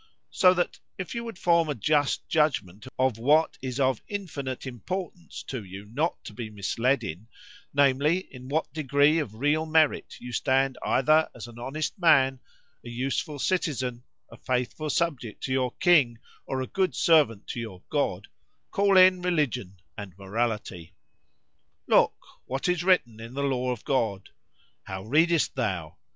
"So that if you would form a just judgment of what is of infinite importance to you not to be misled in,—namely, in what degree of real merit you stand either as an honest man, an useful citizen, a faithful subject to your king, "or a good servant to your God,——call in religion and morality.—Look, What is written in the law of God?——How readest thou?